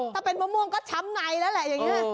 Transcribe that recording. ถ้าเป็นมะม่วงก็ช้ำในแล้วแหละอย่างนี้